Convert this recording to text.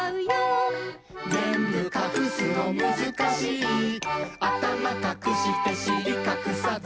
「ぜんぶかくすのむずかしい」「あたまかくしてしりかくさず」